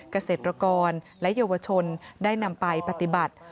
เกษตรกรและเยาวชนได้นำไปปฏิบัติ